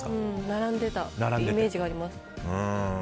並んでたイメージがあります。